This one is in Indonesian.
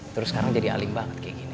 terus sekarang jadi aling banget kayak gini